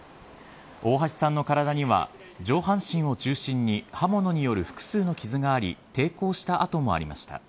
大橋さんの体には上半身を中心に刃物による複数の傷があり抵抗した痕もありました。